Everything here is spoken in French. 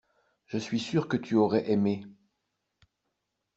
Je suis sûr que tu aurais aimé.